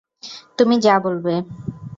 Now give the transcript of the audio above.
তুমি যা বলবে।